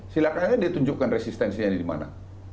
silahkan aja dia tunjukkan resistensinya di mana